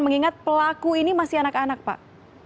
mengingat pelaku ini masih anak anak pak